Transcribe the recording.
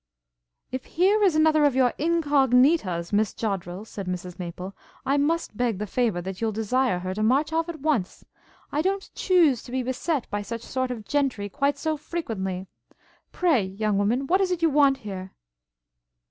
'If here is another of your Incognitas, Miss Joddrel,' said Mrs Maple, 'I must beg the favour that you'll desire her to march off at once. I don't chuse to be beset by such sort of gentry quite so frequently. Pray, young woman, what is it you want here?'